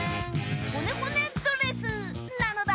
ほねほねドレスなのだ！